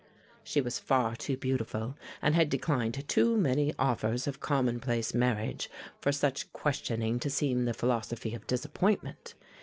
She was far too beautiful, and had declined too many offers of commonplace marriage, for such questioning to seem the philosophy of disappointment.